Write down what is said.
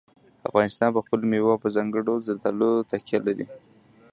افغانستان په خپلو مېوو او په ځانګړي ډول زردالو تکیه لري.